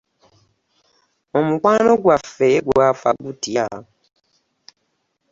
Omukwano gwaffe gwafa gutyo!